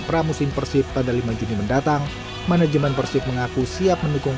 pramusim persib pada lima juni mendatang manajemen persib mengaku siap mendukung